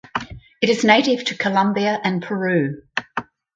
It is native to Colombia and Peru.